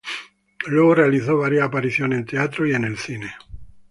Luego realizó varias apariciones en teatro y en el cine.